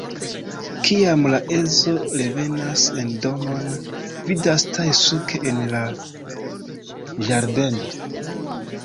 Kiam la edzo revenas en domon, vidas Tae-Suk en la ĝardeno.